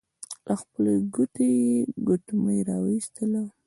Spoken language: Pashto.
له خپلې ګوتې يې ګوتمۍ را وايسته.